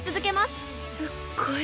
すっごい